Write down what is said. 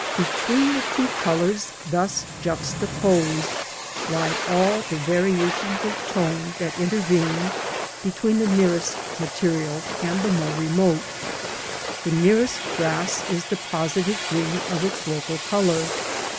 Between the two colours thus juxtaposed lie all the variations of tone that inter vene between the nearest material and the more remote. The nearest grass is the positive green of its local colour.